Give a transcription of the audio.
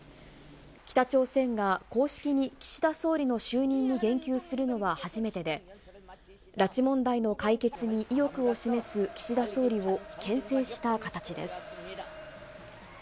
北朝鮮が公式に岸田総理の就任に言及するのは初めてで、拉致問題の解決に意欲を示す岸田総理をけん制した形です。